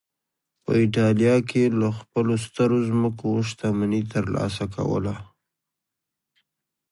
په اېټالیا کې له خپلو سترو ځمکو شتمني ترلاسه کوله